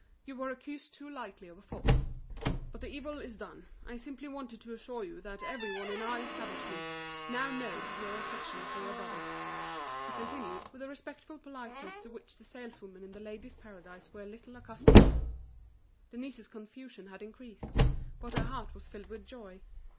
You were accused too lightly of a fault. But the evil is done. I simply wanted to assure you that every one in our establishment now knows of your affection for your brothers," he continued, with a respectful politeness to which the saleswomen in The Ladies' Paradise were little accustomed. Denise's confusion had increased; but her heart was filled with joy.